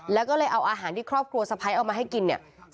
แล้วก็เลยเอาอาหารที่ครอบครัวสะพ้ายเอามาให้กินเนี่ย